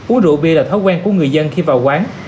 uống rượu bia là thói quen của người dân khi vào quán